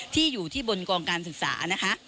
ที่อยู่ที่บนกองการศึกษานะคะ